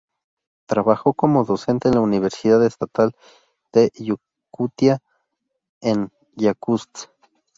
Trabajó como docente en la Universidad Estatal de Yakutia en Yakutsk.